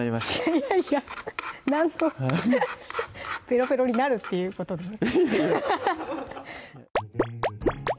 いやいやペロペロになるっていうことでね